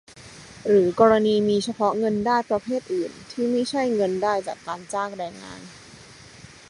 หรือกรณีมีเฉพาะเงินได้ประเภทอื่นที่ไม่ใช่เงินได้จากการจ้างแรงงาน